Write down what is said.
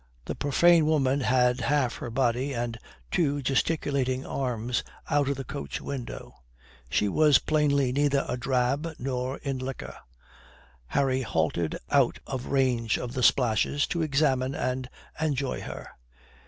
The profane woman had half her body and two gesticulating arms out of the coach window. She was plainly neither a drab nor in liquor. Harry halted out of range of the splashes to examine and enjoy her.